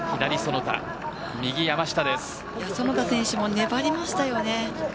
其田選手も粘りましたね。